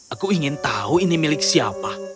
aku ingin tahu ini milik siapa